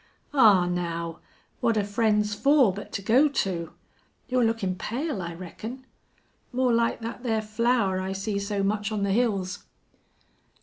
"Aw, now, what're friends fer but to go to?... You're lookin' pale, I reckon. More like thet thar flower I see so much on the hills."